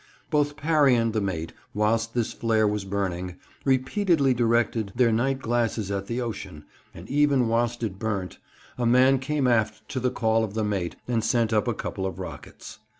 Both Parry and the mate, whilst this flare was burning, repeatedly directed their night glasses at the ocean, and, even whilst it burnt, a man came aft to the call of the mate and sent up a couple of rockets.